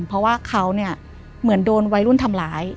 เพราะว่าเขาเนี่ยเหมือนโดนวัยรุ่นทำร้าย